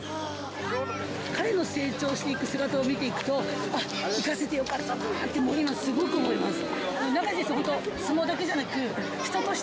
彼の成長していく姿を見ていくと行かせてよかったなって今すごく思います。